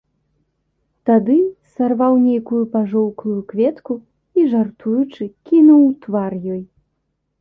Тады сарваў нейкую пажоўклую кветку і, жартуючы, кінуў у твар ёй.